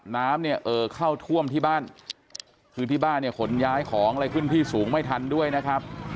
น้ำเนี่ยเอ่อเข้าท่วมที่บ้านคือที่บ้านเนี่ยขนย้ายของอะไรขึ้นที่สูงไม่ทันด้วยนะครับ